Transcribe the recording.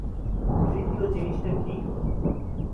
তৃতীয় জিনিসটা কী?